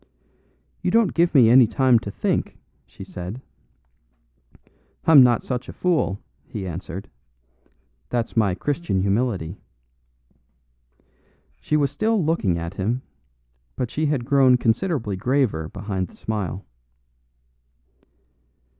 "You don't give me any time to think," she said. "I'm not such a fool," he answered; "that's my Christian humility." She was still looking at him; but she had grown considerably graver behind the smile.